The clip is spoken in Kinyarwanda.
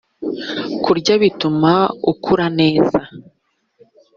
kurya bituma ukura neza